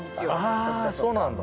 あそうなんだ。